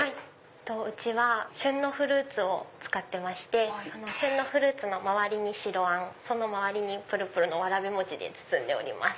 うちは旬のフルーツを使ってまして旬のフルーツの回りに白あんその回りぷるぷるのわらび餅で包んでおります。